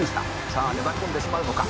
「さあ粘り込んでしまうのか。